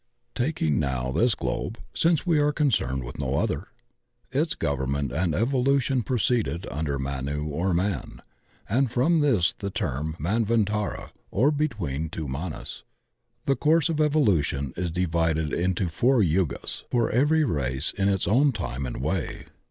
Taking now this globe — since we are concerned with no other — ^its government and evolution proceed under Manu or man, and from this is the term Man vantara or "between two Manus/' The course of evolution is divided into four Yugas for every race in its own time and way.